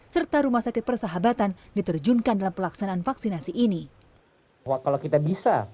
serta rumah sakit persahabatan diterjunkan dalam pelaksanaan vaksinasi ini kalau kita bisa